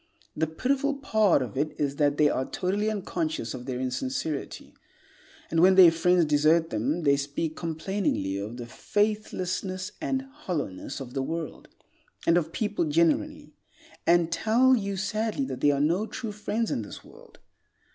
The pitiful part of it is that they are totally unconscious of their insincerity, and when their friends desert them, they speak complainingly of the faithlessness and hollowness of the world, and of people generally, and tell you sadly that there are no true friends in this world.